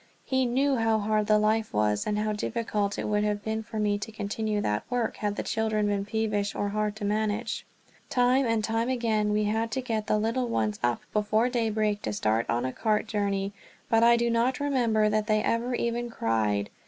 He knew how hard the life was, and how difficult it would have been for me to continue that work had the children been peevish or hard to manage. Time and time again we had to get the little ones up before daybreak to start on a cart journey, but I do not remember that they ever even cried.